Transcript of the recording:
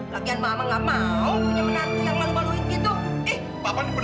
lagian mama nggak mau punya menanti yang malu maluin gitu